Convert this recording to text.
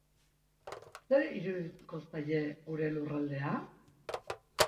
Zer irudituko zaie gure lurraldea?